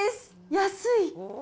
安い。